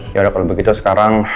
yaudah kalau begitu sekarang